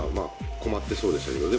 困ってそうでしたけどね。